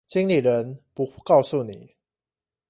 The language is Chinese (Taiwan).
經理人不告訴你